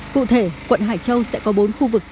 cụ thể quận hải châu sẽ có bốn khu vực